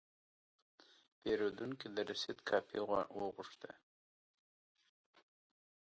پیرودونکی د رسید کاپي وغوښته.